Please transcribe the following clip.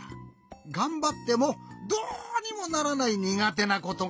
がんばってもどうにもならないにがてなことがあるということ。